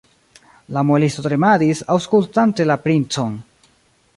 La muelisto tremadis, aŭskultante la princon.